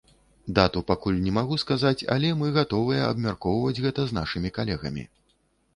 Дату пакуль не магу сказаць, але мы гатовыя абмяркоўваць гэта з нашымі калегамі.